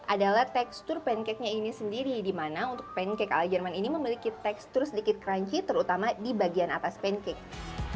adalah tekstur pancake nya ini sendiri di mana untuk pancake ala jerman ini memiliki tekstur sedikit crunchy terutama di bagian atas pancake